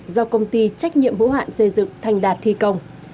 do công ty trách nhiệm hữu hạn xây dựng thành đạt thi công